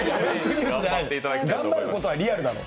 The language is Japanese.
頑張ることはリアルなの。